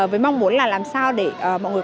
với mong muốn là làm sao để mọi người